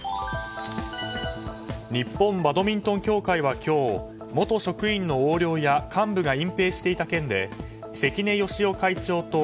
日本バドミントン協会は今日元職員の横領や幹部が隠蔽していた件で関根義雄会長と